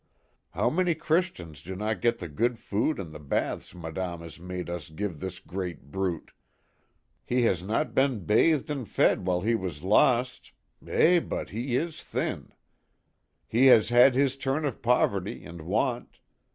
How many Christians do not get the good food and the baths Madame has made us give this great brute ! He has not been bathed 90 A LONG HORROR. 9! and fed while he was lost eh ! but he is thin. He has had his turn of poverty and want.